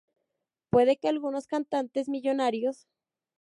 puede que algunos cantantes millonarios